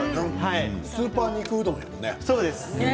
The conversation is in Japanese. スーパー肉うどんやもんね。